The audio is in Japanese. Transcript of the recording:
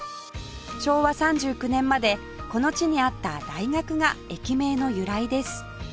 昭和３９年までこの地にあった大学が駅名の由来です